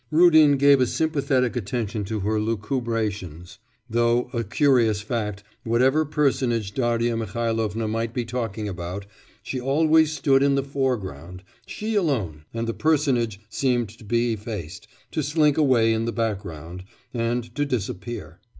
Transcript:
Rudin gave a sympathetic attention to her lucubrations, though a curious fact whatever personage Darya Mihailovna might be talking about, she always stood in the foreground, she alone, and the personage seemed to be effaced, to slink away in the background, and to disappear.